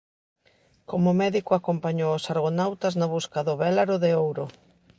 Como médico acompañou aos argonautas na busca do vélaro de ouro.